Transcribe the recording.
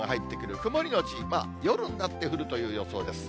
曇り後、夜になって降るという予想です。